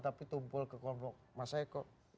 tapi tumpul ke kelompok mas eko